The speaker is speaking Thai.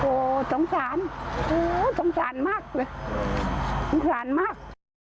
โอ้โธจงสารโอ้โธจงสารมากเลยจงสารมาก